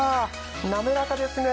滑らかですね。